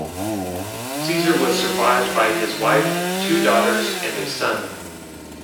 Caesar was survived by his wife, two daughters, and a son.